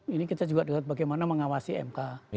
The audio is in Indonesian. ini kita juga lihat bagaimana mengawasi imk